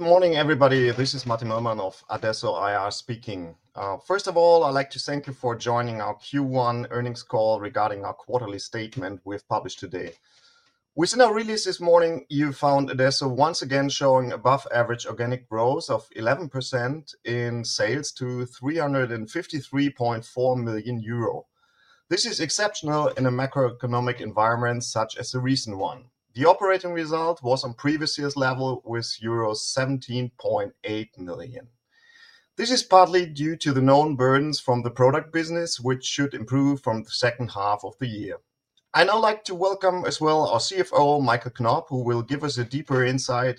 Good morning, everybody. This is Martin Möllmann of Adesso IR speaking. First of all, I'd like to thank you for joining our Q1 earnings call regarding our quarterly statement we've published today. Within our release this morning, you found Adesso once again showing above-average organic growth of 11% in sales to 353.4 million euro. This is exceptional in a macroeconomic environment such as the recent one. The operating result was on previous year's level with euro 17.8 million. This is partly due to the known burdens from the product business, which should improve from the second half of the year. I'd now like to welcome as well our CFO, Michael Knopp, who will give us a deeper insight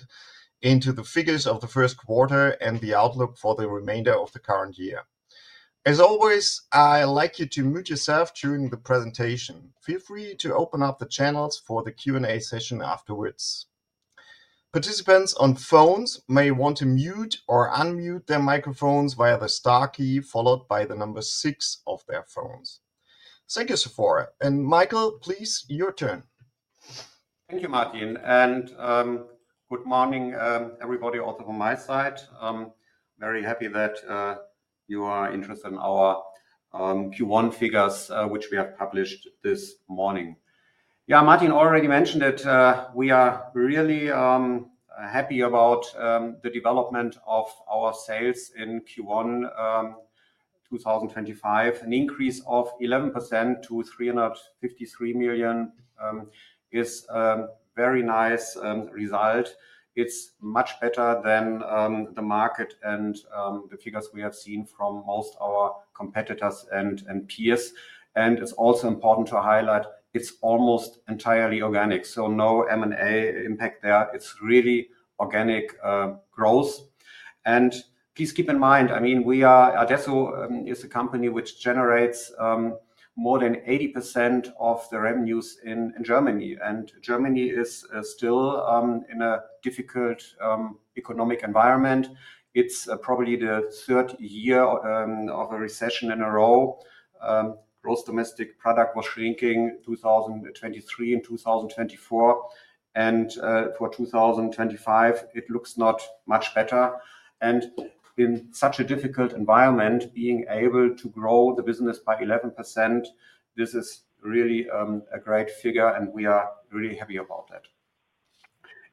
into the figures of the first quarter and the outlook for the remainder of the current year. As always, I'd like you to mute yourself during the presentation. Feel free to open up the channels for the Q&A session afterwards. Participants on phones may want to mute or unmute their microphones via the star key followed by the number six of their phones. Thank you, Sephora and Michael, please, your turn. Thank you, Martin, and good morning, everybody, also from my side. Very happy that you are interested in our Q1 figures, which we have published this morning. Yeah, Martin already mentioned that we are really happy about the development of our sales in Q1 2025. An increase of 11% to 353 million is a very nice result. It's much better than the market and the figures we have seen from most of our competitors and peers. It's also important to highlight it's almost entirely organic, so no M&A impact there. It's really organic growth. Please keep in mind, I mean, Adesso is a company which generates more than 80% of the revenues in Germany. Germany is still in a difficult economic environment. It's probably the third year of a recession in a row. Gross domestic product was shrinking in 2023 and 2024. For 2025, it looks not much better. In such a difficult environment, being able to grow the business by 11% is really a great figure, and we are really happy about that.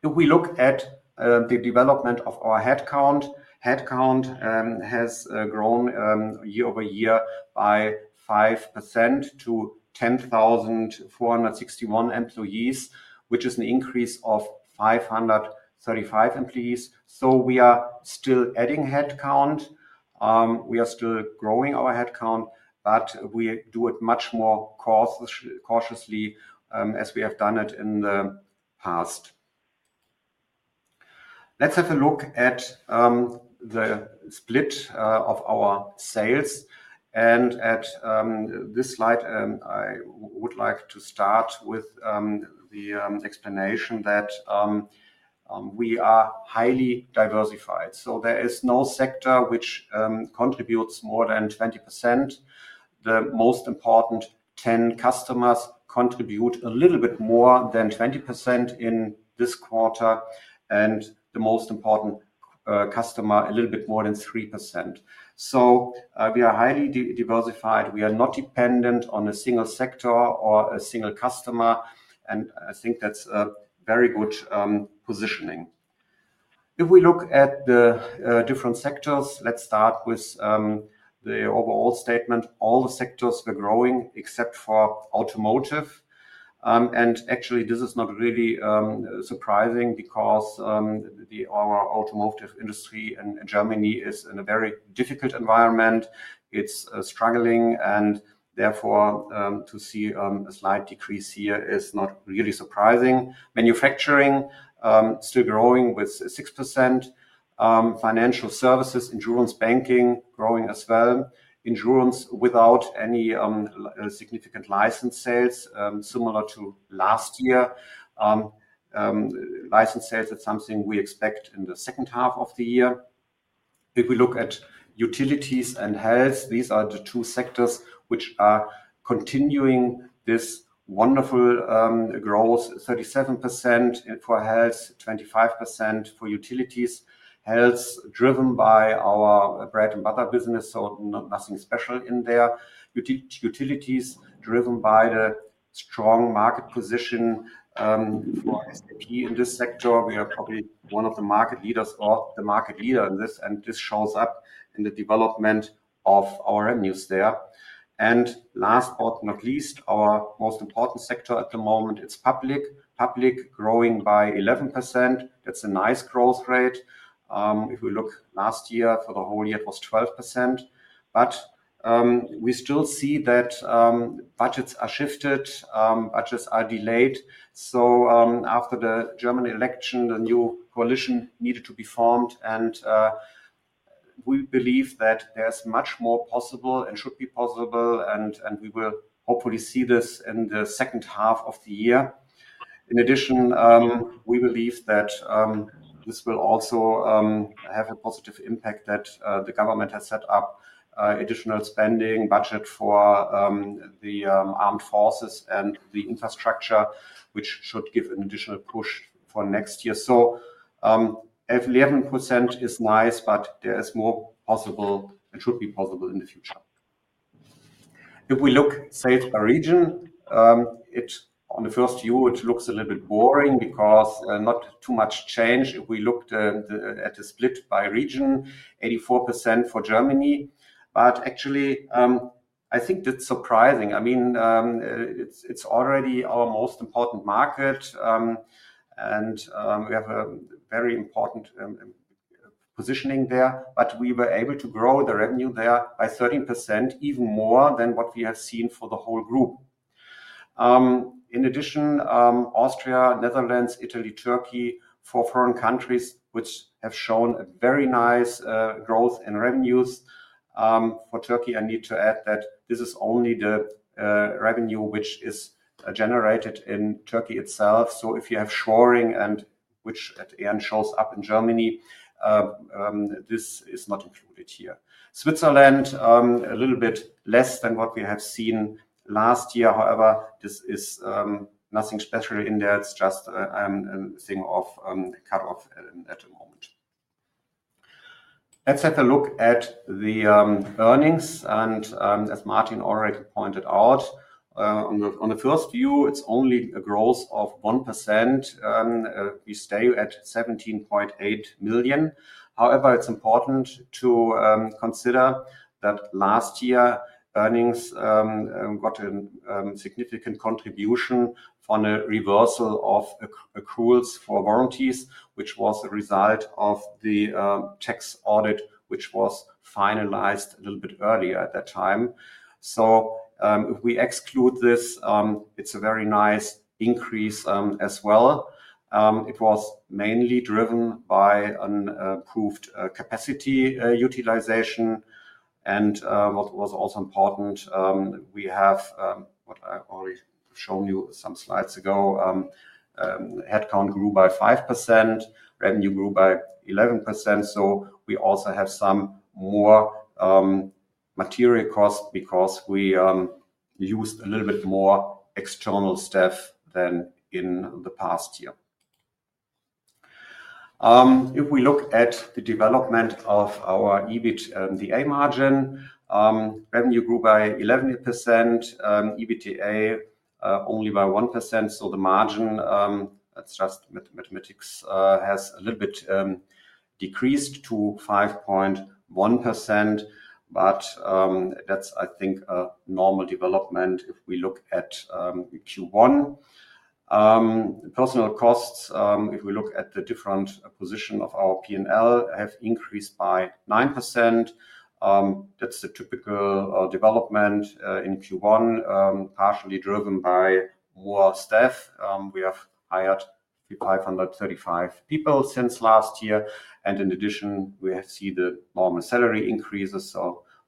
If we look at the development of our headcount, headcount has grown year over year by 5% to 10,461 employees, which is an increase of 535 employees. We are still adding headcount. We are still growing our headcount, but we do it much more cautiously as we have done it in the past. Let's have a look at the split of our sales. At this slide, I would like to start with the explanation that we are highly diversified. There is no sector which contributes more than 20%. The most important 10 customers contribute a little bit more than 20% in this quarter, and the most important customer a little bit more than 3%. We are highly diversified. We are not dependent on a single sector or a single customer. I think that's a very good positioning. If we look at the different sectors, let's start with the overall statement. All the sectors were growing except for automotive. Actually, this is not really surprising because our automotive industry in Germany is in a very difficult environment. It's struggling, and therefore to see a slight decrease here is not really surprising. Manufacturing is still growing with 6%. Financial services, insurance, banking are growing as well. Insurance without any significant license sales, similar to last year. License sales are something we expect in the second half of the year. If we look at utilities and health, these are the two sectors which are continuing this wonderful growth: 37% for health, 25% for utilities. Health is driven by our bread-and-butter business, so nothing special in there. Utilities are driven by the strong market position for SAP in this sector. We are probably one of the market leaders or the market leader in this, and this shows up in the development of our revenues there. Last but not least, our most important sector at the moment, it's public. Public is growing by 11%. That's a nice growth rate. If we look last year for the whole year, it was 12%. We still see that budgets are shifted, budgets are delayed. After the German election, the new coalition needed to be formed, and we believe that there's much more possible and should be possible, and we will hopefully see this in the second half of the year. In addition, we believe that this will also have a positive impact that the government has set up additional spending budget for the armed forces and the infrastructure, which should give an additional push for next year. 11% is nice, but there is more possible and should be possible in the future. If we look at sales by region, on the first view, it looks a little bit boring because not too much change. If we look at the split by region, 84% for Germany. Actually, I think that's surprising. I mean, it's already our most important market, and we have a very important positioning there. We were able to grow the revenue there by 13%, even more than what we have seen for the whole group. In addition, Austria, Netherlands, Italy, Turkey are four foreign countries which have shown a very nice growth in revenues. For Turkey, I need to add that this is only the revenue which is generated in Turkey itself. If you have shoring, which at the end shows up in Germany, this is not included here. Switzerland, a little bit less than what we have seen last year. However, this is nothing special in there. It is just a thing of cut-off at the moment. Let's have a look at the earnings. As Martin already pointed out, on the first view, it is only a growth of 1%. We stay at 17.8 million. However, it's important to consider that last year, earnings got a significant contribution on a reversal of accruals for warranties, which was a result of the tax audit, which was finalized a little bit earlier at that time. If we exclude this, it's a very nice increase as well. It was mainly driven by improved capacity utilization. What was also important, we have, what I already showed you some slides ago, headcount grew by 5%, revenue grew by 11%. We also have some more material costs because we used a little bit more external staff than in the past year. If we look at the development of our EBITDA margin, revenue grew by 11%, EBITDA only by 1%. The margin, it's just mathematics, has a little bit decreased to 5.1%. I think that's a normal development if we look at Q1. Personal costs, if we look at the different position of our P&L, have increased by 9%. That's the typical development in Q1, partially driven by more staff. We have hired 535 people since last year. In addition, we see the normal salary increases.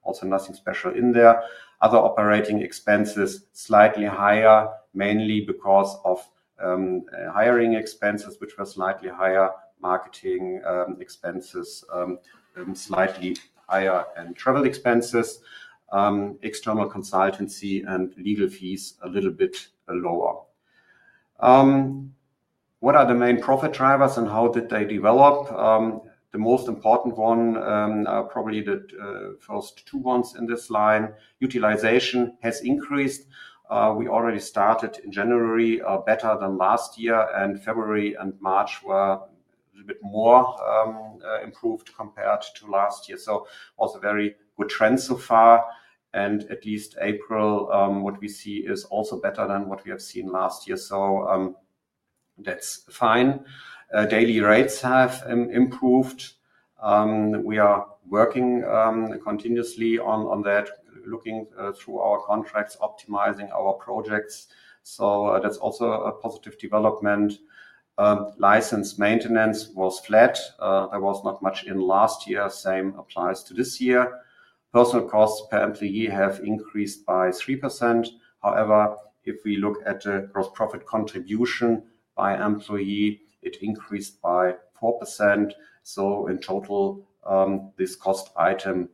Also nothing special in there. Other operating expenses are slightly higher, mainly because of hiring expenses, which were slightly higher, marketing expenses slightly higher, and travel expenses, external consultancy, and legal fees a little bit lower. What are the main profit drivers, and how did they develop? The most important one are probably the first two ones in this line. Utilization has increased. We already started in January better than last year, and February and March were a little bit more improved compared to last year. Also very good trends so far. At least April, what we see is also better than what we have seen last year. That is fine. Daily rates have improved. We are working continuously on that, looking through our contracts, optimizing our projects. That is also a positive development. License maintenance was flat. There was not much in last year. Same applies to this year. Personal costs per employee have increased by 3%. However, if we look at the gross profit contribution by employee, it increased by 4%. In total, this cost item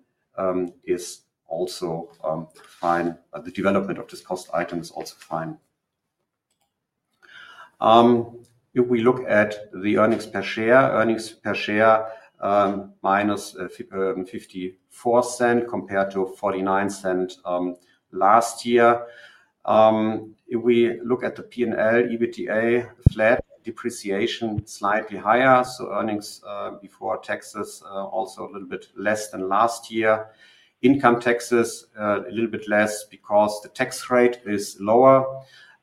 is also fine. The development of this cost item is also fine. If we look at the earnings per share, earnings per share minus 0.54 compared to 0.49 last year. If we look at the P&L, EBITDA flat, depreciation slightly higher. Earnings before taxes are also a little bit less than last year. Income taxes, a little bit less because the tax rate is lower.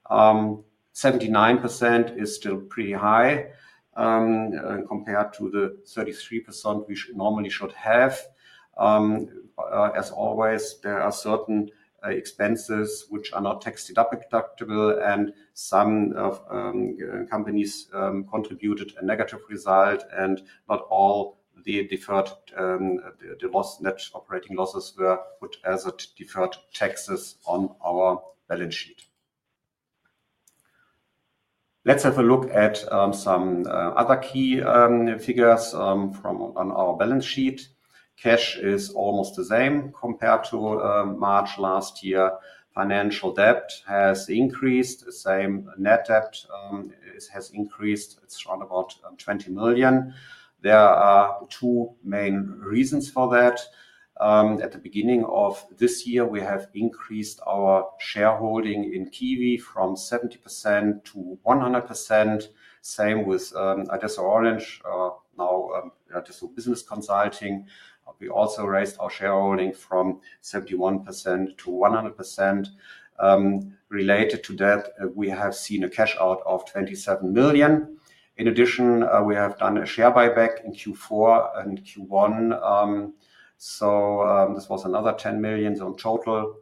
79% is still pretty high compared to the 33% we normally should have. As always, there are certain expenses which are not tax-deductible, and some companies contributed a negative result, and not all the deferred, the net operating losses were put as deferred taxes on our balance sheet. Let's have a look at some other key figures from our balance sheet. Cash is almost the same compared to March last year. Financial debt has increased. The same net debt has increased. It's around about 20 million. There are two main reasons for that. At the beginning of this year, we have increased our shareholding in Kiwi from 70%-100%. Same with Adesso Business Consulting. We also raised our shareholding from 71%-100%. Related to that, we have seen a cash out of 27 million. In addition, we have done a share buyback in Q4 and Q1. This was another 10 million. In total,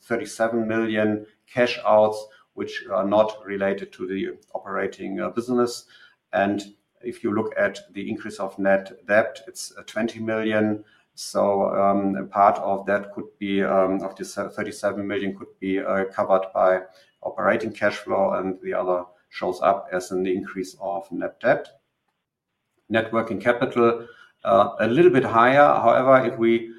37 million cash outs, which are not related to the operating business. If you look at the increase of net debt, it is 20 million. Part of that 37 million could be covered by operating cash flow, and the other shows up as an increase of net debt. Working capital, a little bit higher. However, if we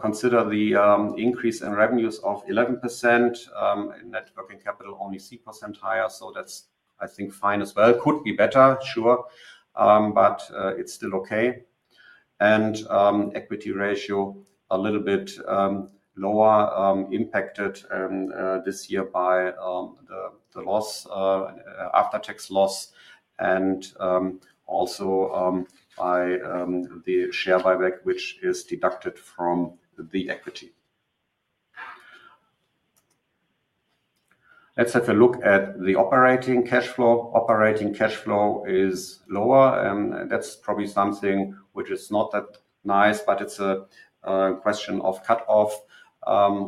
consider the increase in revenues of 11%, working capital only 3% higher. That is, I think, fine as well. Could be better, sure, but it is still okay. Equity ratio, a little bit lower, impacted this year by the loss, after-tax loss, and also by the share buyback, which is deducted from the equity. Let's have a look at the operating cash flow. Operating cash flow is lower. That's probably something which is not that nice, but it's a question of cut-off.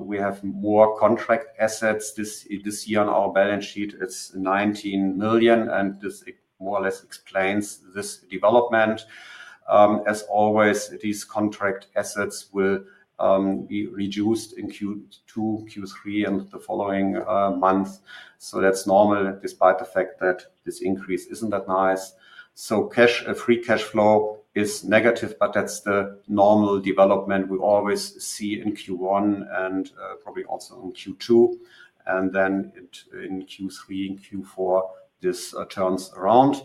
We have more contract assets this year on our balance sheet. It's 19 million, and this more or less explains this development. As always, these contract assets will be reduced in Q2, Q3, and the following months. That's normal despite the fact that this increase isn't that nice. Free cash flow is negative, but that's the normal development we always see in Q1 and probably also in Q2. In Q3, in Q4, this turns around.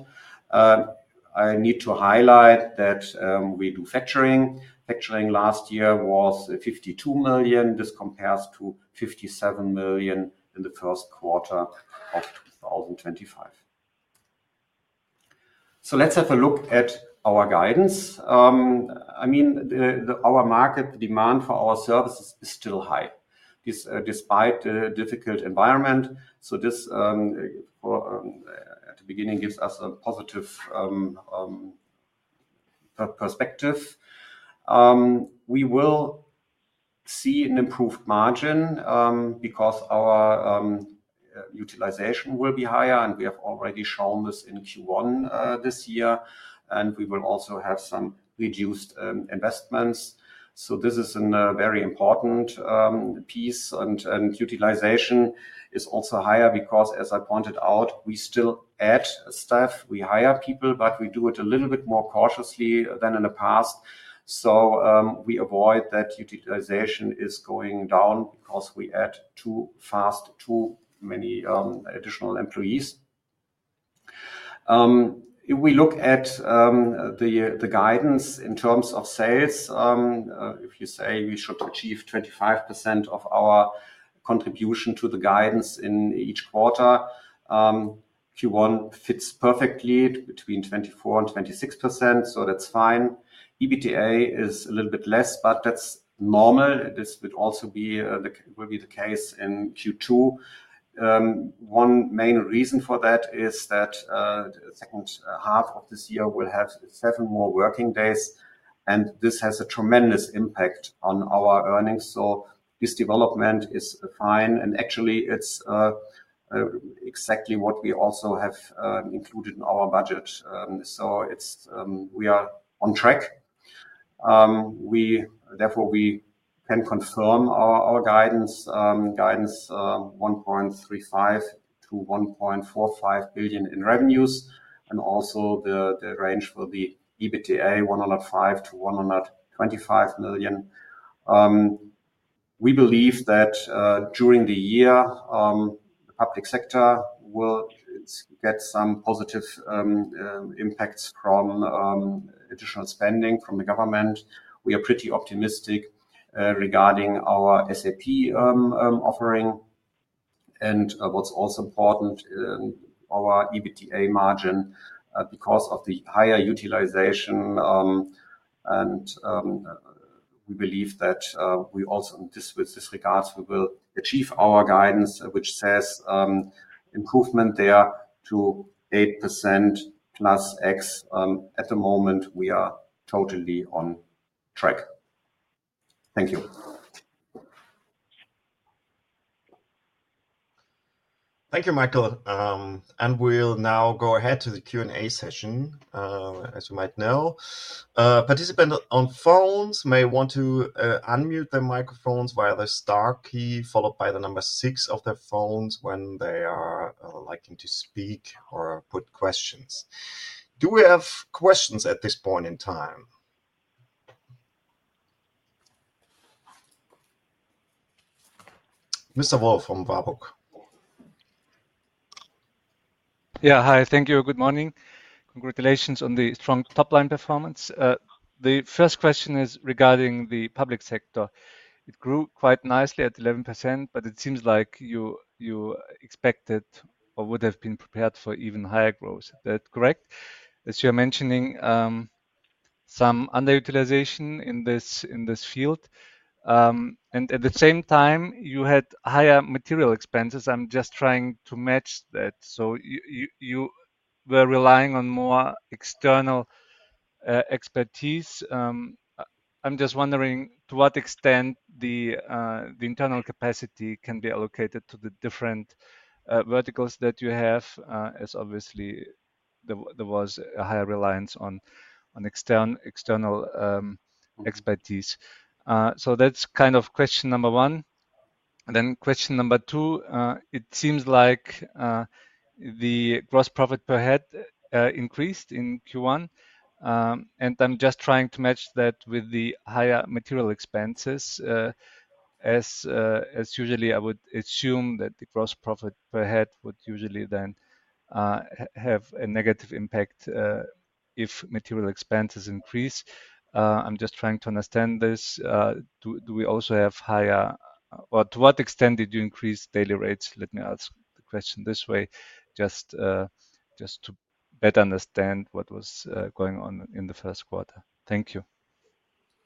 I need to highlight that we do factoring. Factoring last year was 52 million. This compares to 57 million in the first quarter of 2025. Let's have a look at our guidance. I mean, our market demand for our services is still high, despite the difficult environment. This at the beginning gives us a positive perspective. We will see an improved margin because our utilization will be higher, and we have already shown this in Q1 this year. We will also have some reduced investments. This is a very important piece, and utilization is also higher because, as I pointed out, we still add staff. We hire people, but we do it a little bit more cautiously than in the past. We avoid that utilization going down because we add too fast, too many additional employees. If we look at the guidance in terms of sales, if you say we should achieve 25% of our contribution to the guidance in each quarter, Q1 fits perfectly between 24%-26%. That is fine. EBITDA is a little bit less, but that's normal. This would also be the case in Q2. One main reason for that is that the second half of this year will have seven more working days, and this has a tremendous impact on our earnings. This development is fine. Actually, it's exactly what we also have included in our budget. We are on track. Therefore, we can confirm our guidance, guidance 1.35 billion-1.45 billion in revenues, and also the range for the EBITDA 105 million-125 million. We believe that during the year, the public sector will get some positive impacts from additional spending from the government. We are pretty optimistic regarding our SAP offering. What's also important, our EBITDA margin, because of the higher utilization. We believe that we also, in this regard, will achieve our guidance, which says improvement there to 8%+ X. At the moment, we are totally on track. Thank you. Thank you, Michael. We will now go ahead to the Q&A session, as you might know. Participants on phones may want to unmute their microphones via the star key, followed by the number six of their phones when they are liking to speak or put questions. Do we have questions at this point in time? Mr. Wolf from Warburg. Yeah, hi. Thank you. Good morning. Congratulations on the strong top-line performance. The first question is regarding the public sector. It grew quite nicely at 11%, but it seems like you expected or would have been prepared for even higher growth. Is that correct? As you are mentioning, some underutilization in this field. At the same time, you had higher material expenses. I'm just trying to match that. You were relying on more external expertise. I'm just wondering to what extent the internal capacity can be allocated to the different verticals that you have, as obviously, there was a higher reliance on external expertise. That's kind of question number one. Question number two, it seems like the gross profit per head increased in Q1. I'm just trying to match that with the higher material expenses. Usually, I would assume that the gross profit per head would usually then have a negative impact if material expenses increase. I'm just trying to understand this. Do we also have higher or to what extent did you increase daily rates? Let me ask the question this way, just to better understand what was going on in the first quarter. Thank you.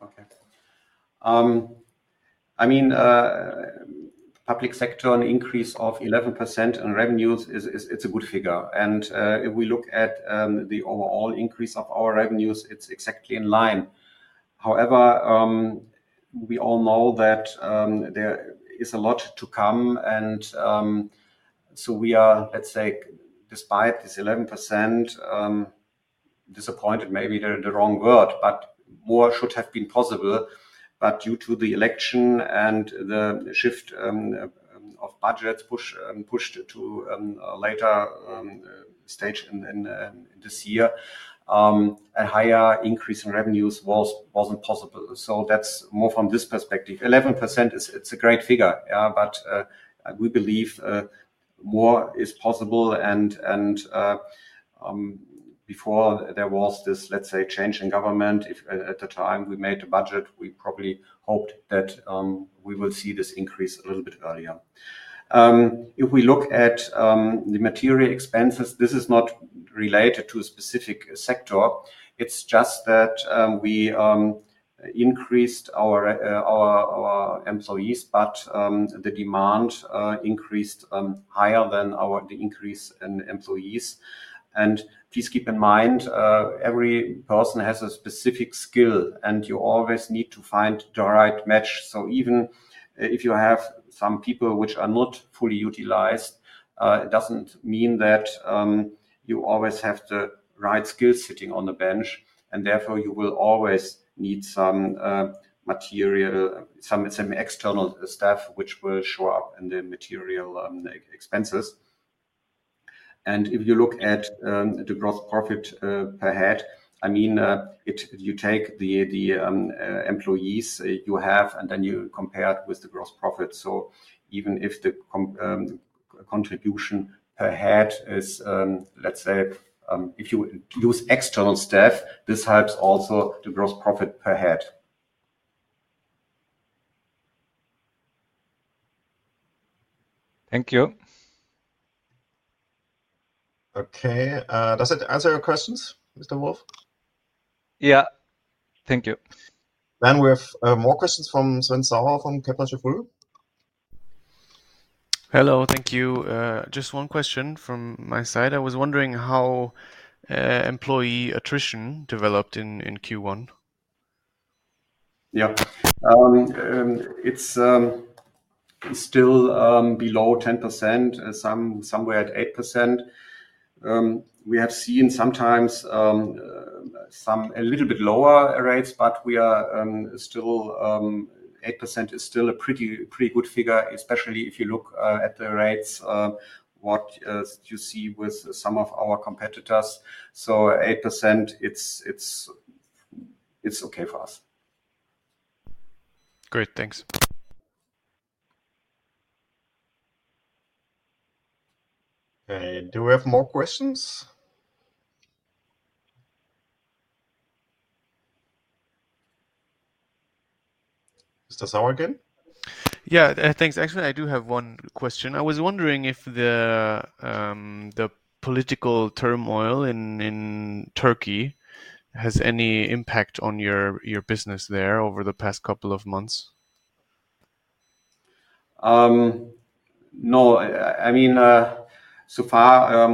Okay. I mean, public sector, an increase of 11% in revenues, it's a good figure. If we look at the overall increase of our revenues, it's exactly in line. However, we all know that there is a lot to come. We are, let's say, despite this 11%, disappointed, maybe the wrong word, but more should have been possible. Due to the election and the shift of budgets pushed to a later stage in this year, a higher increase in revenues was not possible. That is more from this perspective. 11%, it's a great figure. We believe more is possible. Before there was this, let's say, change in government, at the time we made the budget, we probably hoped that we will see this increase a little bit earlier. If we look at the material expenses, this is not related to a specific sector. It's just that we increased our employees, but the demand increased higher than the increase in employees. Please keep in mind, every person has a specific skill, and you always need to find the right match. Even if you have some people which are not fully utilized, it does not mean that you always have the right skills sitting on the bench. Therefore, you will always need some material, some external staff, which will show up in the material expenses. If you look at the gross profit per head, I mean, you take the employees you have, and then you compare it with the gross profit. Even if the contribution per head is, let's say, if you use external staff, this helps also the gross profit per head. Thank you. Okay. Does it answer your questions, Mr. Wolf? Yeah. Thank you. Then we have more questions from Saw from Kepler Cheuvreux. Hello. Thank you. Just one question from my side. I was wondering how employee attrition developed in Q1. Yeah. It's still below 10%, somewhere at 8%. We have seen sometimes some a little bit lower rates, but we are still 8% is still a pretty good figure, especially if you look at the rates, what you see with some of our competitors. So 8%, it's okay for us. Great. Thanks. Do we have more questions? Mr. Saw again. Yeah. Thanks, actually. I do have one question. I was wondering if the political turmoil in Turkey has any impact on your business there over the past couple of months. No. I mean, so far,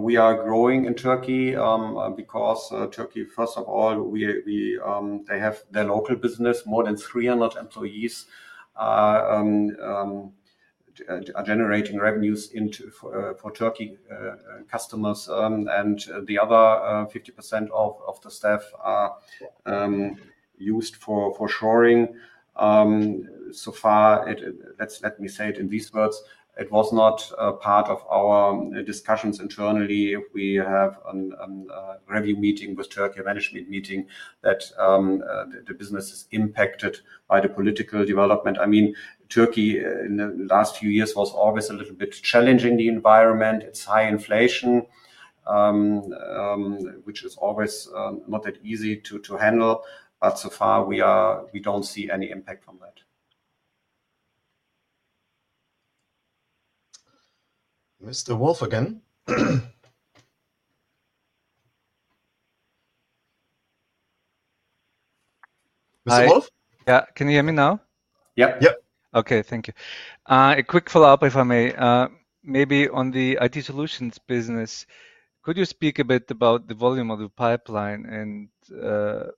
we are growing in Turkey because Turkey, first of all, they have their local business. More than 300 employees are generating revenues for Turkey customers. The other 50% of the staff are used for shoring. Let me say it in these words. It was not part of our discussions internally. We have a review meeting with Turkey management meeting that the business is impacted by the political development. I mean, Turkey in the last few years was always a little bit challenging, the environment. It is high inflation, which is always not that easy to handle. So far, we do not see any impact from that. Mr. Wolf again. Mr. Wolf? Yeah. Can you hear me now? Yep. Yep. Okay. Thank you. A quick follow-up, if I may. Maybe on the IT solutions business, could you speak a bit about the volume of the pipeline and the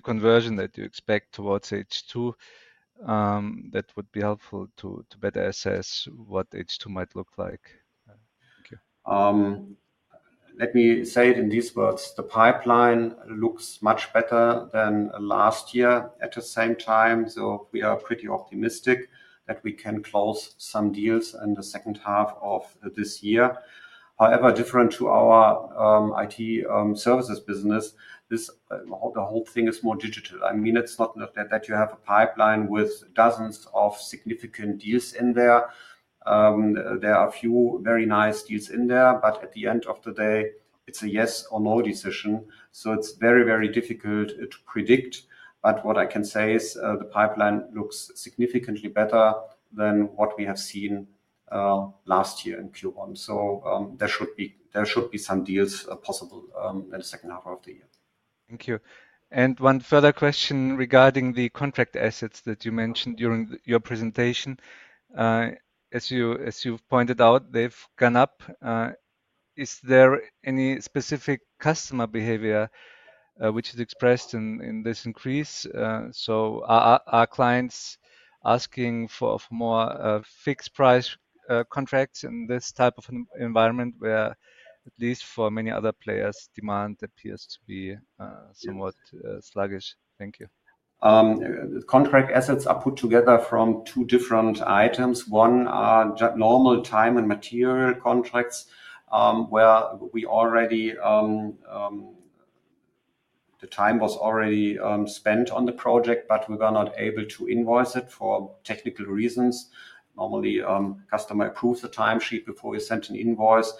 conversion that you expect towards H2? That would be helpful to better assess what H2 might look like. Thank you. Let me say it in these words. The pipeline looks much better than last year at the same time. We are pretty optimistic that we can close some deals in the second half of this year. However, different to our IT services business, the whole thing is more digital. I mean, it's not that you have a pipeline with dozens of significant deals in there. There are a few very nice deals in there, but at the end of the day, it's a yes or no decision. It is very, very difficult to predict. What I can say is the pipeline looks significantly better than what we have seen last year in Q1. There should be some deals possible in the second half of the year. Thank you. One further question regarding the contract assets that you mentioned during your presentation. As you've pointed out, they've gone up. Is there any specific customer behavior which is expressed in this increase? Are clients asking for more fixed-price contracts in this type of environment where, at least for many other players, demand appears to be somewhat sluggish? Thank you. Contract assets are put together from two different items. One is normal time and material contracts where the time was already spent on the project, but we were not able to invoice it for technical reasons. Normally, customer approves the timesheet before you send an invoice.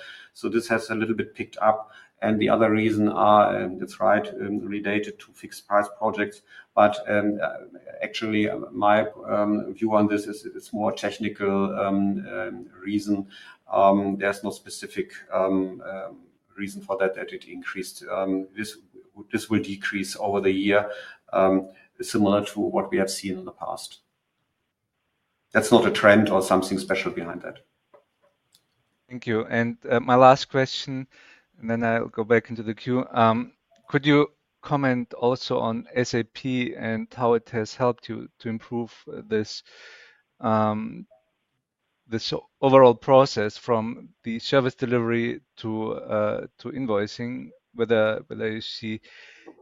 This has a little bit picked up. The other reason is, that's right, related to fixed-price projects. Actually, my view on this is it's more a technical reason. There's no specific reason for that, that it increased. This will decrease over the year, similar to what we have seen in the past. That's not a trend or something special behind that. Thank you. And my last question, and then I'll go back into the queue. Could you comment also on SAP and how it has helped you to improve this overall process from the service delivery to invoicing, whether you see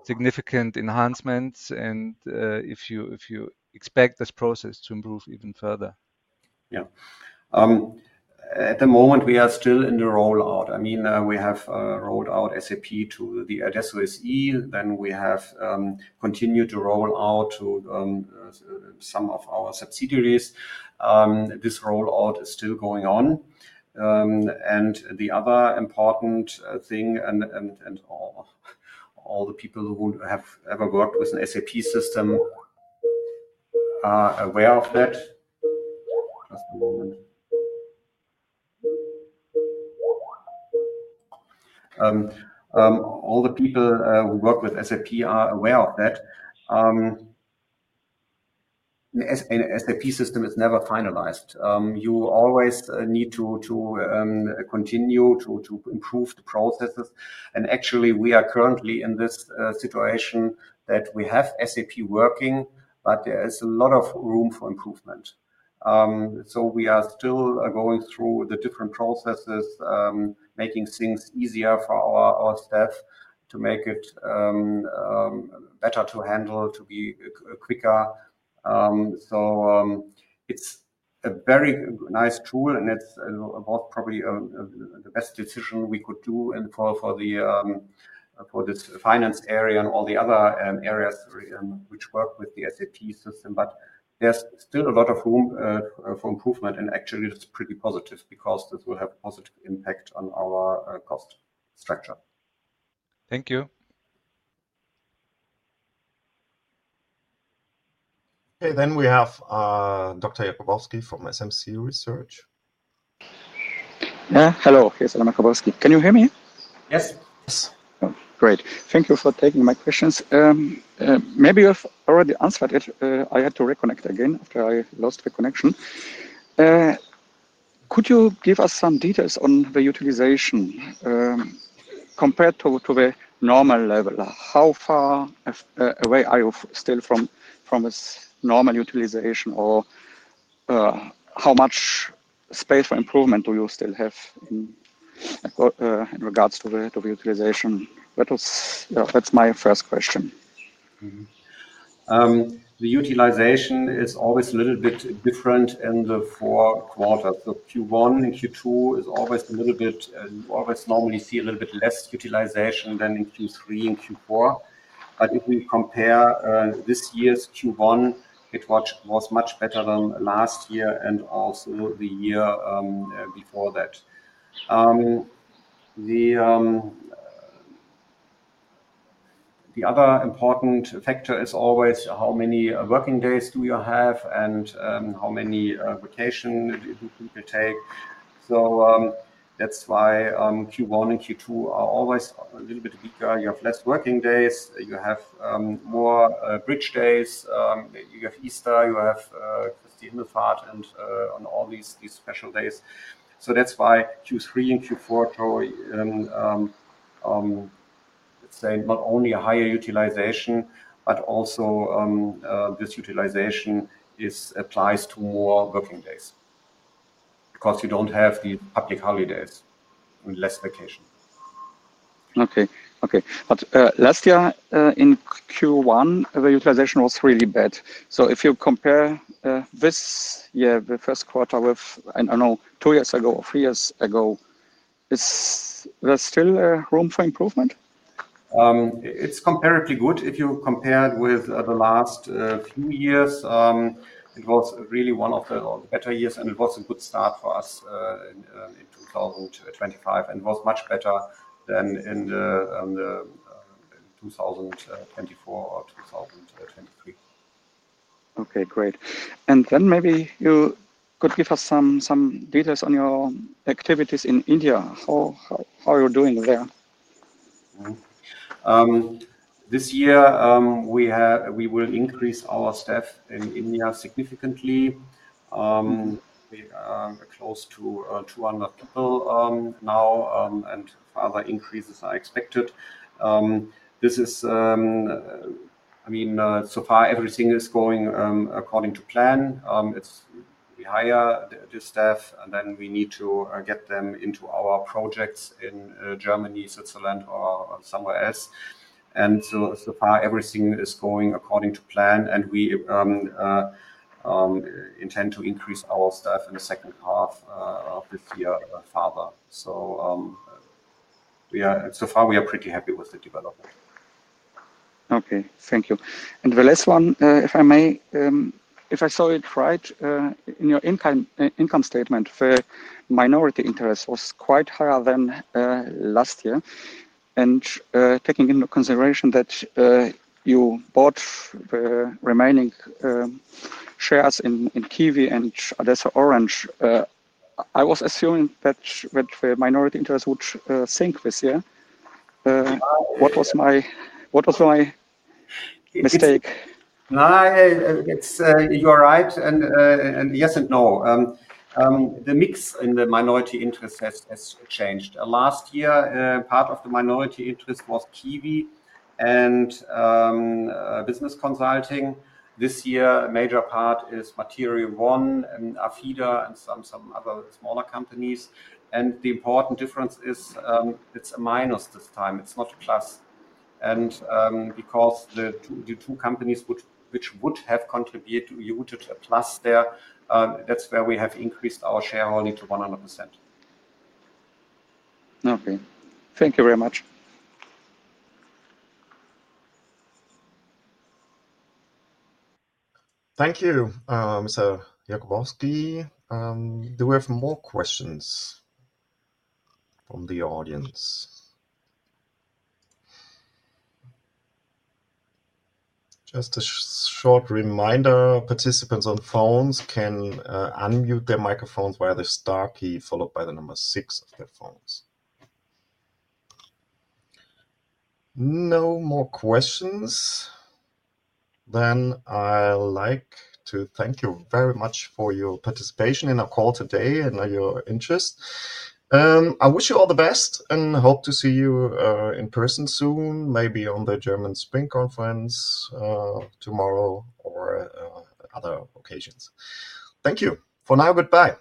significant enhancements and if you expect this process to improve even further? Yeah. At the moment, we are still in the rollout. I mean, we have rolled out SAP to the SOSE. Then we have continued to roll out to some of our subsidiaries. This rollout is still going on. The other important thing, and all the people who have ever worked with an SAP system are aware of that. Just a moment. All the people who work with SAP are aware of that. An SAP system is never finalized. You always need to continue to improve the processes. Actually, we are currently in this situation that we have SAP working, but there is a lot of room for improvement. We are still going through the different processes, making things easier for our staff to make it better to handle, to be quicker. It is a very nice tool, and it is probably the best decision we could do for this finance area and all the other areas which work with the SAP system. There is still a lot of room for improvement, and actually, it is pretty positive because this will have a positive impact on our cost structure. Thank you. Okay. We have Dr. Jakubowski from SMC Research. Hello. Yes, I am Jakubowski. Can you hear me? Yes. Yes. Great. Thank you for taking my questions. Maybe you have already answered it. I had to reconnect again after I lost the connection. Could you give us some details on the utilization compared to the normal level? How far away are you still from this normal utilization, or how much space for improvement do you still have in regards to the utilization? That's my first question. The utilization is always a little bit different in the four quarters. Q1 and Q2 is always a little bit, always normally see a little bit less utilization than in Q3 and Q4. If we compare this year's Q1, it was much better than last year and also the year before that. The other important factor is always how many working days do you have and how many vacations you can take. That's why Q1 and Q2 are always a little bit weaker. You have less working days. You have more bridge days. You have Easter. You have Christi Himmelfahrt and on all these special days. That is why Q3 and Q4 show, let's say, not only a higher utilization, but also this utilization applies to more working days because you do not have the public holidays and less vacation. Okay. Okay. Last year in Q1, the utilization was really bad. If you compare this year, the first quarter with, I do not know, two years ago or three years ago, is there still room for improvement? It is comparatively good. If you compare it with the last few years, it was really one of the better years, and it was a good start for us in 2025. It was much better than in 2024 or 2023. Okay. Great. Maybe you could give us some details on your activities in India. How are you doing there? This year, we will increase our staff in India significantly. We are close to 200 people now, and further increases are expected. This is, I mean, so far everything is going according to plan. It is higher, the staff, and then we need to get them into our projects in Germany, Switzerland, or somewhere else. So far everything is going according to plan, and we intend to increase our staff in the second half of this year further. So far, we are pretty happy with the development. Okay. Thank you. The last one, if I may, if I saw it right, in your income statement, the minority interest was quite higher than last year. Taking into consideration that you bought the remaining shares in Kiwi and Adesso Business Consulting, I was assuming that the minority interest would sink this year. What was my mistake? You are right. Yes and no. The mix in the minority interest has changed. Last year, part of the minority interest was Kiwi and business consulting. This year, a major part is Material One and Afida and some other smaller companies. The important difference is it's a minus this time. It's not a plus. Because the two companies which would have contributed to a plus there, that's where we have increased our shareholding to 100%. Okay. Thank you very much. Thank you, Mr. Jakubowski. Do we have more questions from the audience? Just a short reminder, participants on phones can unmute their microphones via the star key followed by the number six of their phones. No more questions. I would like to thank you very much for your participation in our call today and your interest. I wish you all the best and hope to see you in person soon, maybe on the German Spring Conference tomorrow or other occasions. Thank you. For now, goodbye.